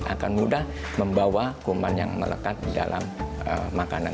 akan mudah membawa kuman yang melekat di dalam makanan